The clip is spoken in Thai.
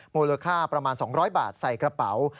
มูลค่าประมาณ๒๐๐บาทใส่กระเป๋า